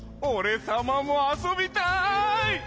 おれさまもあそびたい！